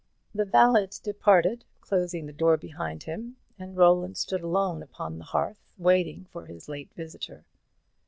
The valet departed, closing the door behind him, and Roland stood alone upon the hearth, waiting for his late visitor.